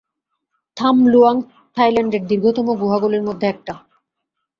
থাম লুয়াং থাইল্যান্ডের দীর্ঘতম গুহাগুলির মধ্যে একটা।